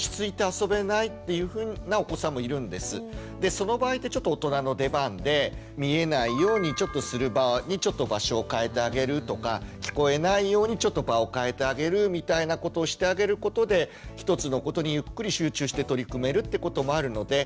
その場合ってちょっと大人の出番で見えないようにちょっとする場にちょっと場所を変えてあげるとか聞こえないようにちょっと場を変えてあげるみたいなことをしてあげることで１つのことにゆっくり集中して取り組めるってこともあるので。